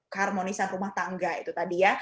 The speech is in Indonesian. keharmonisan rumah tangga itu tadi ya